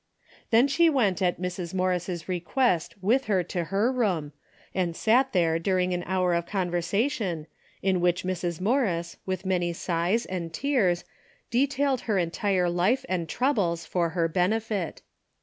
Then she went at Mrs. Morris' request with 134 A DAILY rate:' her to her room and sat there during an hour of conversation, in which Mrs. Morris, with many sighs and tears, detailed her entire life and troubles for her benefit.